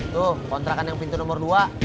tuh kontrakan yang pintu nomor dua